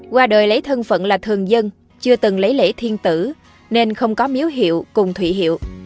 qua đời lấy thân phận là thường dân chưa từng lấy lễ thiên tử nên không có miếu hiệu cùng thụy hiệu